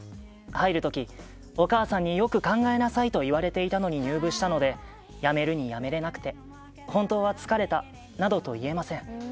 入るとき、お母さんによく考えなさいと言われていたのに入部したのでやめるにやめれなくて本当は疲れた、などと言えません。